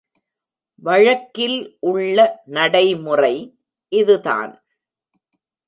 வழக்கில் உள்ள நடைமுறை இதுதான்